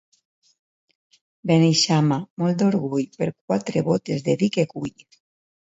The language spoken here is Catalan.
Beneixama, molt d'orgull, per quatre botes de vi que cull.